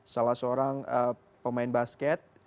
salah seorang pemain basket